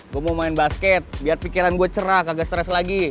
gue mau main basket biar pikiran gue cerah gak stress lagi